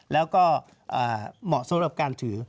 แล้วก็เหมาะสำหรับการถือ